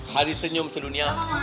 hari senyum sedunia